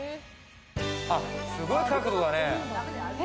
あっ、すごい角度だね。